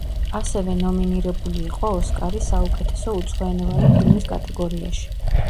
ასევე ნომინირებული იყო ოსკარი საუკეთესო უცხოენოვანი ფილმის კატეგორიაში.